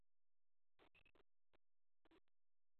壬酸铵是具有溶解性的。